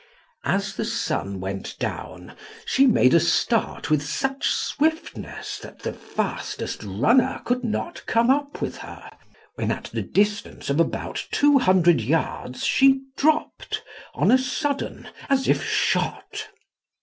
As the sun went down she made a start with such swiftness that the fastest runner could not come up with her, and when at the distance of about two hundred yards she dropped on a sudden as if shot.